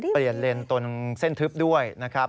เปลี่ยนเลนสนเส้นทึบด้วยนะครับ